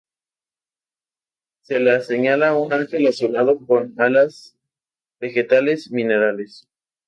Se la señala un ángel azulado, con alas vegetales-minerales.